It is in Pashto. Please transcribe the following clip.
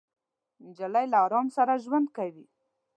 نجلۍ له ارام سره ژوند کوي.